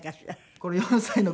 これ４歳の子。